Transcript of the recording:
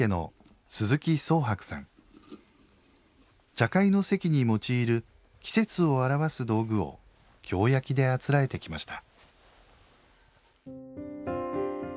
茶会の席に用いる季節を表す道具を京焼であつらえてきました